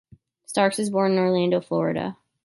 Starks was born in Orlando, Florida.